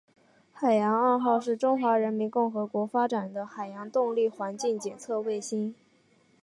海洋二号是中华人民共和国发展的海洋动力环境监测卫星。